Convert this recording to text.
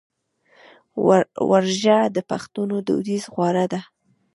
ورږۀ د پښتنو دوديز خواړۀ دي